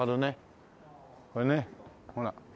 これねほら。